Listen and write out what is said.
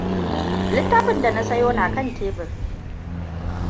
Littafin da na sayo na kan tebur.